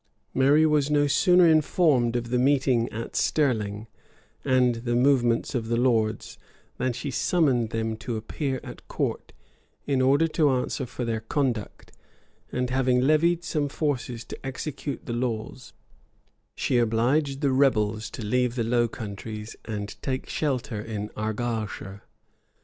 [] Mary was no sooner informed of the meeting at Stirling, and the movements of the lords, than she summoned them to appear at court, in order to answer for their conduct; and having levied some forces to execute the laws, she obliged the rebels to leave the low countries, and take shelter in Argyleshire.